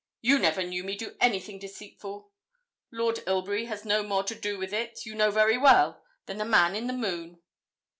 You never knew me do anything deceitful. Lord Ilbury has no more to do with it, you know very well, than the man in the moon.'